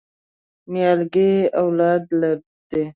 نیالګی اولاد دی؟